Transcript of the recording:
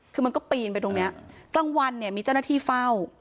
คือมันก็ปีนไปตรงเนี้ยกลางวันเนี่ยมีเจ้าหน้าที่เฝ้า